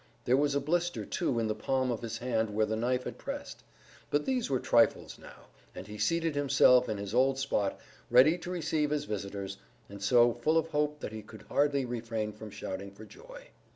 There was a blister too in the palm of his hand where the knife had pressed; but these were trifles now, and he seated himself in his old spot ready to receive his visitors, and so full of hope that he could hardly refrain from shouting for joy.